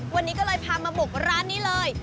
วันนี้ก็เลยพามาบุกร้านนี้เลย